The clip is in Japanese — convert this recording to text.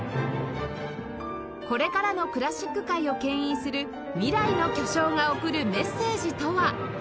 これからのクラシック界を牽引する未来の巨匠が送るメッセージとは？